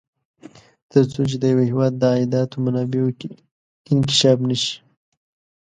تر څو چې د یوه هېواد د عایداتو منابعو کې انکشاف نه شي.